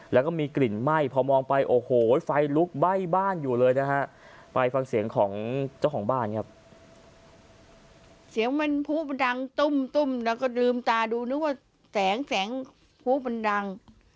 แล้วก็ดื่มตาดูนึกว่าแสงผู้มันรัง